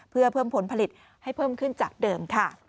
เพื่อเพิ่มผลผลิตให้เพิ่มขึ้นจากเดิมค่ะ